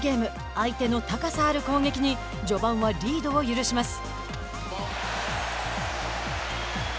相手の高さある攻撃に序盤はリードを許します。